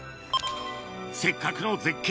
せっかくの絶景